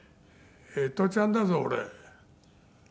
「エトちゃんだぞ俺」